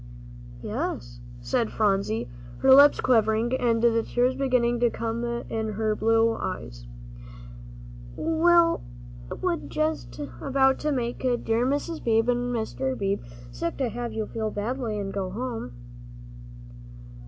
"Yes," said Phronsie, her lips quivering, and the tears beginning to come in her blue eyes. "Well, it would just about make dear Mrs. Beebe and dear Mr. Beebe sick to have you feel badly and go home."